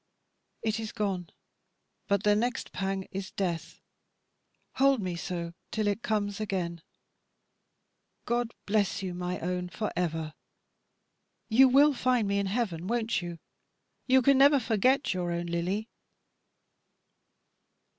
It is gone; but the next pang is death. Hold me so till it comes again. God bless you, my own for ever. You will find me in heaven, won't you? You can never forget your own Lily."